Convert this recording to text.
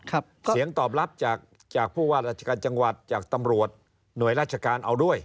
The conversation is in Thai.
เสียงตอบรับจากจากผู้ว่าราชการจังหวัดจากตำรวจหน่วยราชการเอาด้วย